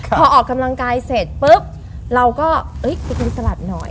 พอออกกำลังกายเสร็จปุ๊บเราก็ไปกินสลัดหน่อย